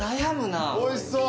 おいしそう。